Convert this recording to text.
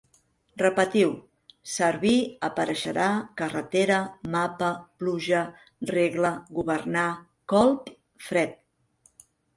Repetiu: servir, apareixerà, carretera, mapa, pluja, regla, governar, colp, fred